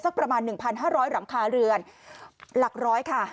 ประมาณ๑๕๐๐หลังคาเรือนหลักร้อยค่ะ